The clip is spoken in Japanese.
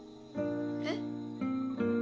えっ？